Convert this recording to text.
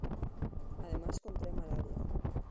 Además contrae malaria.